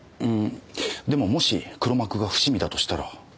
でももし黒幕が伏見だとしたら。